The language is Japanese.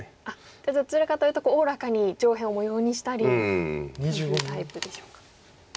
じゃあどちらかというとおおらかに上辺を模様にしたりというタイプでしょうか。